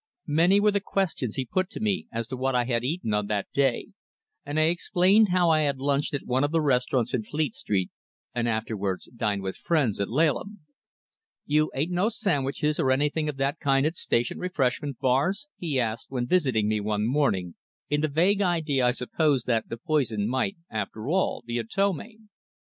Many were the questions he put to me as to what I had eaten on that day, and I explained how I had lunched at one of the restaurants in Fleet Street, and afterwards dined with friends at Laleham. "You ate no sandwiches, or anything of that kind at station refreshment bars?" he asked, when he visited me one morning, in the vague idea, I suppose, that the poison might, after all, be a ptomaine.